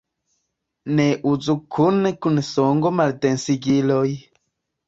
Ne uzu kune kun sango-maldensigiloj.